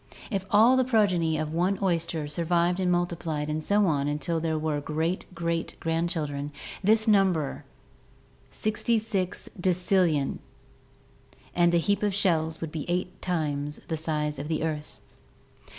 If all the progeny of one oyster survived and multiplied and so on until there were great great grandchildren, these would number 66,000,000,000,000,000, 000,000,000,000,000,000, and the heap of shells would be eight times the size of the earth!